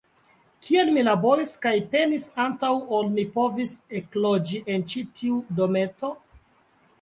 Kiel mi laboris kaj penis antaŭ ol ni povis ekloĝi en ĉi tiu dometo!